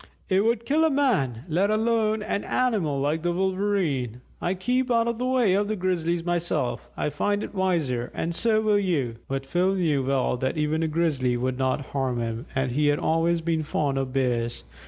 It would kill a man, let alone an animal like the Wolverene. I keep out of the way of the Grizzlies myself I find it wiser, and so will you." But Phil knew well that even a Grizzly would not harm him, and he had always been fond of Bears.